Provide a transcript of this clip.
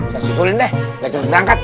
saya susulin deh biar cepet angkat